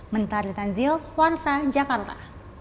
menteri tanzil warsa jakarta